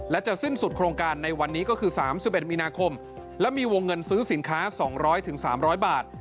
และจะสิ้นสุดโครงการในวันนี้ก็คือ๓๑มีนาคมและมีวงเงินซื้อสินค้า๒๐๐๓๐๐บาท